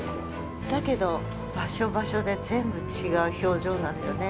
だけど、場所場所で全部違う表情なのよね。